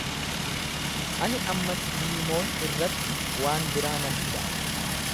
Ani ammas Diimoon irratti waan biraa nan fida.